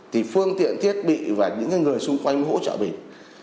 thì phương tiện thiết bị và những người xung quanh hỗ trợ mình